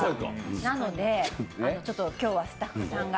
なので、今日はスタッフさんが。